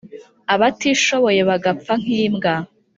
Abatabishoboye bagapfa nk ‘imbwa !